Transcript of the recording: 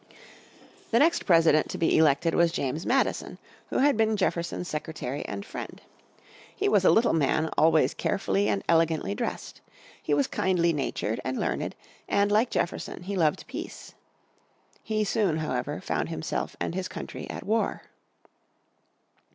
The next president to be elected was James Madison, who had been Jefferson's secretary and friend. He was a little man always carefully and elegantly dressed. He was kindly natured and learned, and, like Jefferson, he loved peace. He soon, however, found himself and his country at war.